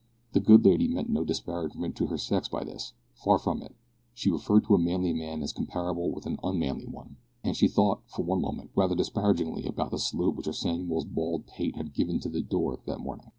The good lady meant no disparagement to her sex by this far from it; she referred to a manly man as compared with an unmanly one, and she thought, for one moment, rather disparagingly about the salute which her Samuel's bald pate had given to the door that morning.